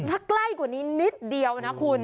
ถ้าใกล้กว่านี้นิดเดียวนะคุณ